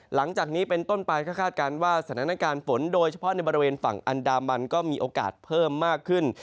หลังจากนี้เป็นต้นไปก็คาดการณ์ว่าสถานการณ์ฝนโดยเฉพาะในบริเวณฝั่งอันดามันก็มีโอกาสเพิ่มมากขึ้น